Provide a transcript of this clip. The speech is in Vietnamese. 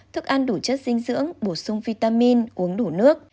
thức ăn đủ chất dinh dưỡng bổ sung vitamin uống đủ nước